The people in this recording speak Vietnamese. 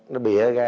nó bịa ra